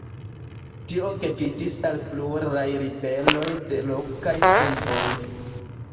Tio gvidis al pluraj ribeloj de lokaj triboj.